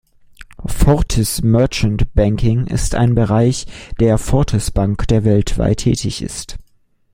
Fortis Merchant Banking ist ein Bereich der Fortis Bank, der weltweit tätig ist.